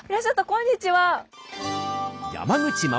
こんにちは。